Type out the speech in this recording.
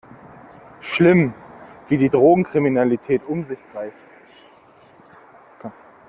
Schlimm, wie die Drogenkriminalität um sich greift!